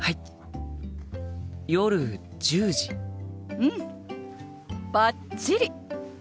うんバッチリ！